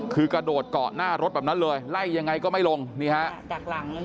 คือกระโดดเกาะหน้ารถแบบนั้นเลยไล่ยังไงก็ไม่ลงนี่ฮะ